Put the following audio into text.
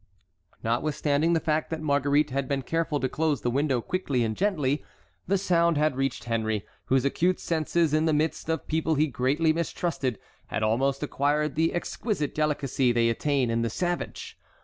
Notwithstanding the fact that Marguerite had been careful to close the window quickly and gently, the sound had reached Henry, whose acute senses, in the midst of people he greatly mistrusted, had almost acquired the exquisite delicacy they attain in the savage.